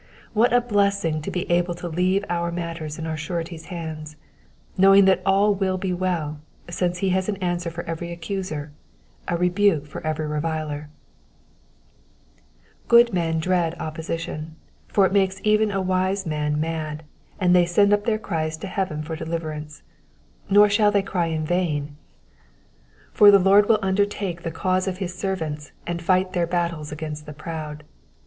What a blessing to be able to leave our matters in our Surety's hands, knowing that all will be well, since he has an answer for every accuser, a rebuke for every reviler. €k>od men dread oppression, for it makes even a wise man mad, and they send up their cries to heaven for deliverance ; nor shall they cry in vain, for Digitized by VjOOQIC 272 EXPOSITIOKS OF THE PSALMS. the Lord will undertake the cause of his senrants, and fight their battles against the proud.